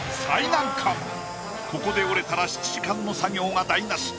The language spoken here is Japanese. ここで折れたら７時間の作業が台無し。